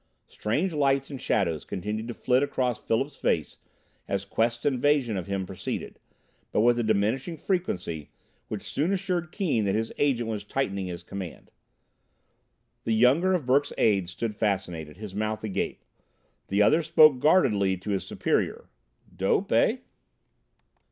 Strange lights and shadows continued to flit across Philip's face as Quest's invasion of him proceeded, but with a diminishing frequency which soon assured Keane that his Agent was tightening his command. The younger of Burke's aides stood fascinated, his mouth agape. The other spoke guardedly to his superior: "Dope, eh!"